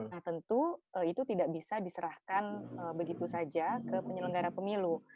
nah tentu itu tidak bisa diserahkan begitu saja ke penyelenggara pemilu